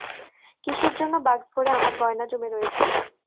কিসের জন্যে বাক্স ভরে আমার গয়না জমে রয়েছে?